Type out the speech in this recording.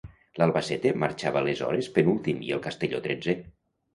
L'Albacete marxava aleshores penúltim i el Castelló tretzè.